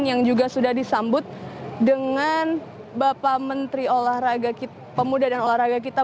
yang juga sudah disambut dengan bapak menteri olahraga pemuda dan olahraga kita